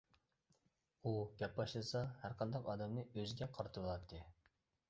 ئۇ گەپ باشلىسا ھەرقانداق ئادەمنى ئۆزىگە قارىتىۋالاتتى.